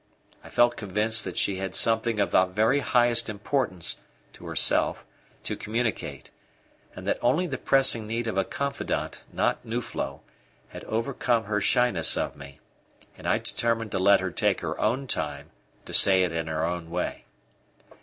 I felt convinced that she had something of the very highest importance (to herself) to communicate, and that only the pressing need of a confidant, not Nuflo, had overcome her shyness of me; and I determined to let her take her own time to say it in her own way.